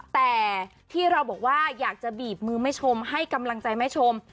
แต่ที่เราบอกว่าอยากจะบีบมือแม่ชมให้กำลังใจแม่ชม